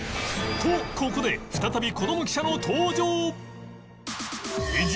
とここで再びこども記者の登場！